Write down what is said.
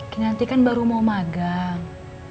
nanti kan baru mau magang